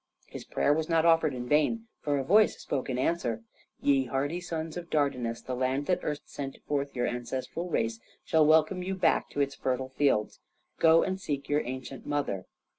His prayer was not offered in vain, for a voice spoke in answer. "Ye hardy sons of Dardanus, the land that erst sent forth your ancestral race shall welcome you back to its fertile fields. Go and seek your ancient mother.